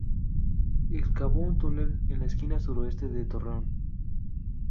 Excavó un túnel en la esquina sureste del torreón.